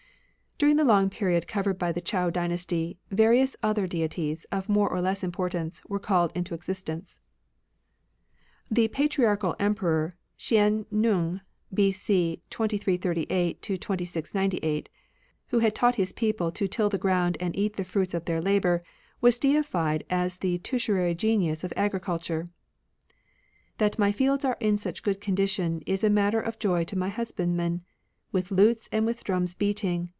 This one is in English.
Other During the long period covered by °""*"» the ,Chou dynasty, various other deities, of more or less importance, were called into existence. The patriarchal Emperor Shen Nung, B.C. 2838 2698, who had taught his people to till the ground and eat of the fruits of their labour, wafi deified as the tutelary genius of agricul ture :— That my fields are in such good condition Is matter of joy to my husbandmen. With lutes, and with drums beating.